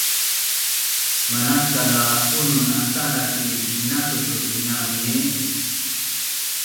Manaskal a bunun antala ki sinatu tu tingami